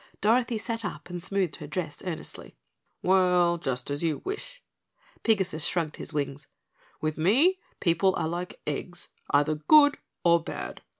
Dorothy sat up and smoothed her dress earnestly. "Well, just as you wish," Pigasus shrugged his wings, "with me, people are like eggs, either good, or bad.